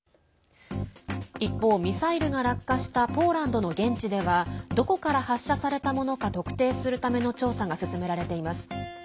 一方、ミサイルが落下したポーランドの現地ではどこから発射されたものか特定するための調査が進められています。